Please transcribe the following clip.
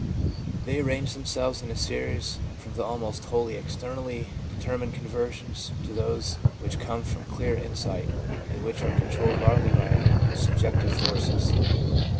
They arrange themselves in a series from the almost wholly externally determined conversions, to those which come from clear insight, and which are con trolled largely by subjective forces.